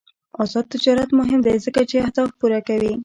آزاد تجارت مهم دی ځکه چې اهداف پوره کوي.